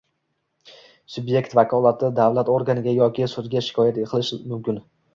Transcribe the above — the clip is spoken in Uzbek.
subyekt vakolatli davlat organiga yoki sudga shikoyat qilishi mumkin.